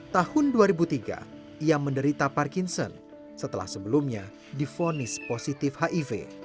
tahun dua ribu tiga ia menderita parkinson setelah sebelumnya difonis positif hiv